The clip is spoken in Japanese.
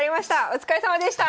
お疲れさまでした！